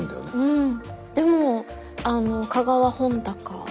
うん。